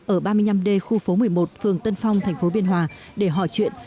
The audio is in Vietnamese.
ở ba mươi năm d khu phố một mươi một phường tân phong tp biên hòa để hỏi chuyện